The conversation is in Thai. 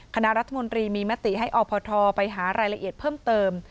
คณะรัฐมนตรีมีมติให้อพทไปหารายละเอียดเพิ่มเติม